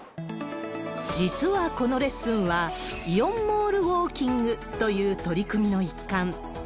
実はこのレッスンは、イオンモールウォーキングという取り組みの一環。